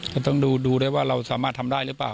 ก็ต้องดูได้ว่าเราสามารถทำได้หรือเปล่า